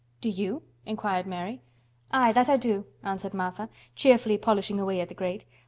"Do you?" inquired Mary. "Aye, that I do," answered Martha, cheerfully polishing away at the grate.